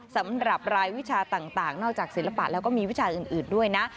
สำหรับรายวิชาต่างนอกจากศิลปะแล้วก็มีวิชาอื่นด้วยนะ